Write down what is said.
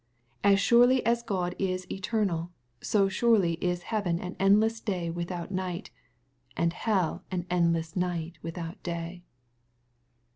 /^^As surely as God is eternal, so surely is heaven an endless day without night, and hell an endless night without day.